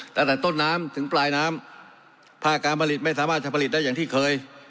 ตั้งแต่ต้นน้ำถึงปลายน้ำภาคการผลิตไม่สามารถจะผลิตได้อย่างที่เคย